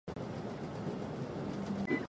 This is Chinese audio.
鹌鹑主要分布于欧亚大陆西部和非洲。